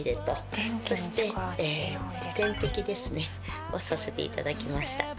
そして点滴をさせていただきました。